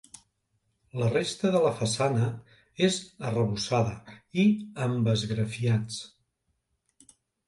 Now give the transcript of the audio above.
La resta de la façana és arrebossada i amb esgrafiats.